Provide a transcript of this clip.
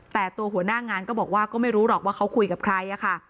แต่ตัวหัวหน้างานก็บอกว่าก็ไม่รู้หรอกว่าเขาคุยกับใครค่ะ